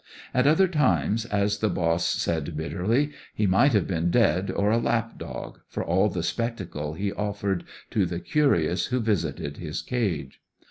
At other times, as the boss said bitterly, he might have been dead or a lap dog, for all the spectacle he offered to the curious who visited his cage.